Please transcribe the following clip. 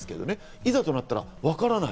いざとなったらわからない。